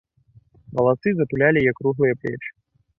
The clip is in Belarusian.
Валасы затулялі яе круглыя плечы.